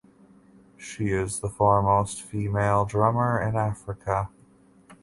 She is the foremost female drummer in Africa.